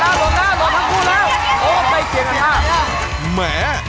เห็นทั้งคู่แล้ว